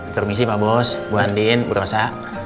permisi pak bos bu andin bu rosa